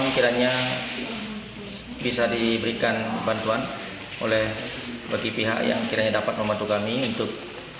kerjasama jari yang spokeep pilih